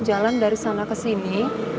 jalan dari sana kesini